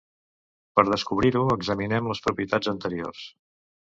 Per descobrir-ho, examinem les propietats anteriors.